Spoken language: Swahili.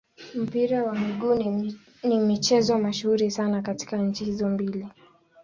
Mpira wa miguu ni mchezo mashuhuri sana katika nchi hizo mbili.